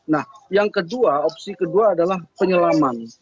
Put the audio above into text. nah yang kedua opsi kedua adalah penyelaman